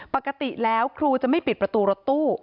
ปกติแล้วครูจะไม่ปิดประตูรถตู้